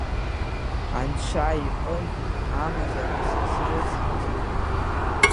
Анцәа иҟынтә амазара сазрыцҳаӡам.